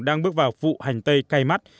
đang bước vào vụ hành tây cay mắt